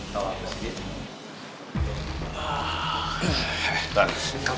kau apa cine